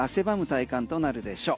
体感となるでしょう。